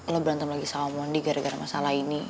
lo berantem lagi sama mondi gara gara masalah ini